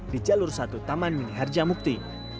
di jalur satu taman mini harja mukti